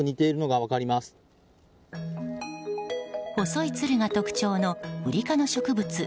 細いつるが特徴のウリ科の植物